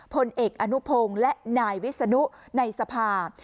พลเอกอนุพงศ์และนายวิศนุในสภา